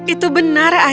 itu benar ayah